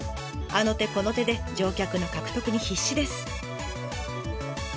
あの手この手で乗客の獲得に必死です。